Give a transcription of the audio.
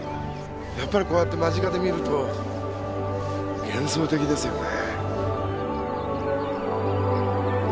やっぱりこうやって間近で見ると幻想的ですよね。